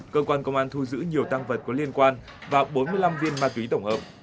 cơ quan công an thu giữ nhiều tăng vật có liên quan và bốn mươi năm viên ma túy tổng hợp